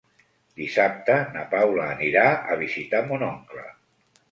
Dissabte na Paula anirà a visitar mon oncle.